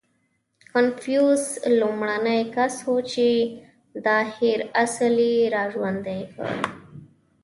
• کنفوسیوس لومړنی کس و، چې دا هېر اصل یې راژوندی کړ.